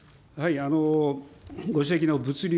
ご指摘の物流